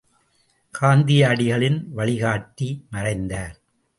காந்தியடிகளின் வழிகாட்டி மறைந்தார்!